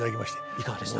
いかがでした？